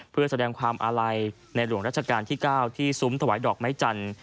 เพื่อแสดงความอาลัยในหลวงราชการที่๙ที่ซุ้มถวายดอกไม้จันทร์